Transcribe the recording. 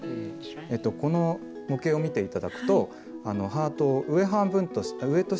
この模型を見て頂くとハートを上と下に分けるとですね